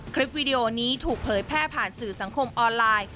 วิดีโอนี้ถูกเผยแพร่ผ่านสื่อสังคมออนไลน์